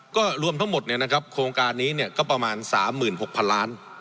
ก็รวมทั้งหมดเนี่ยนะครับโครงการนี้เนี่ยก็ประมาณสามหมื่นหกพันล้าน